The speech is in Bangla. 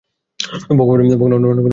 ভগবানের অন্যান্য গুণাবলী সম্বন্ধেও এইরূপ।